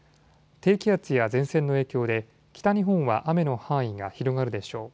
低気圧や前線の影響で北日本は雨の範囲が広がるでしょう。